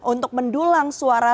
untuk mendulang suara